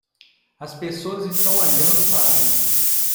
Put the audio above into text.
As pessoas estão olhando para ele.